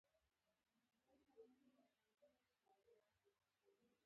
د خاورې ساتنه د ایمان یوه برخه ده.